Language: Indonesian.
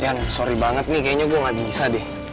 ya sorry banget nih kayaknya gue gak bisa deh